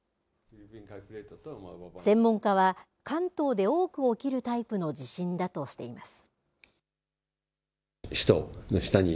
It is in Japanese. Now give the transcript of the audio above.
専門家は、関東で多く起きるタイプの地震だとしています。